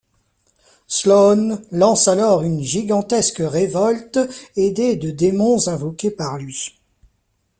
Sloane lance alors une gigantesque révolte aidée de démons invoqués par lui.